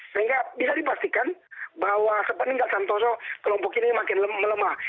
sehingga bisa dipastikan bahwa sepanjang santoso kelompok ini makin melemah